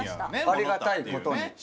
ありがたいことに。